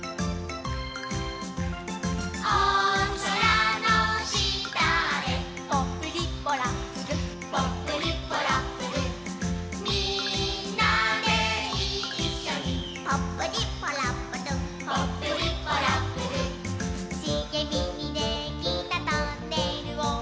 「おそらのしたで」「ポップリッポラップル」「ポップリッポラップル」「みんなでいっしょに」「ポップリッポラップル」「ポップリッポラップル」「しげみにできたトンネルを」